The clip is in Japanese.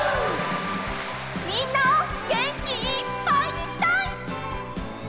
みんなをげんきいっぱいにしたい！